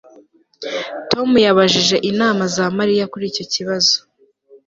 Tom yabajije inama za Mariya kuri icyo kibazo